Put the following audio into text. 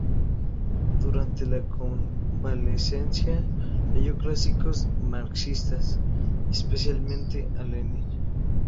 Durante la convalecencia leyó clásicos marxistas, especialmente a Lenin.